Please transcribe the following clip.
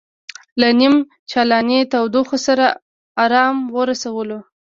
له نیم چالانې تودوخې سره ارام ورسولو.